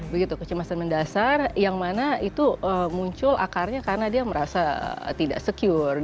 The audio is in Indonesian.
begitu kecemasan mendasar yang mana itu muncul akarnya karena dia merasa tidak secure di dunia yang kejauh